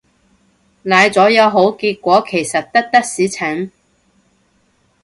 奶咗有好結果其實得的士陳